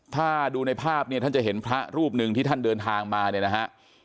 ถ้าดูในภาพเนี่ยท่านจะเห็นพระรูปหนึ่งที่ท่านเดินทางมาเนี่ยนะฮะ